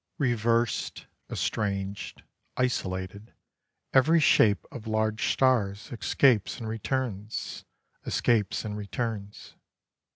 Reversed, estranged, isolated, every shape of large stars escapes and returns, escapes and returns.